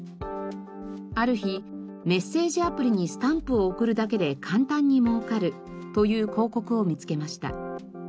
ある日「メッセージアプリにスタンプを送るだけで簡単にもうかる」という広告を見つけました。